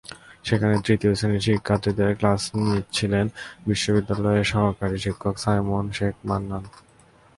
সেখানে তৃতীয় শ্রেণির শিক্ষার্থীদের ক্লাস নিচ্ছিলেন বিদ্যালয়ের সহকারী শিক্ষক সাইমন শেখ মান্নান।